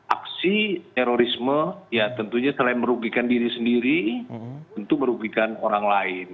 aksi terorisme ya tentunya selain merugikan diri sendiri tentu merugikan orang lain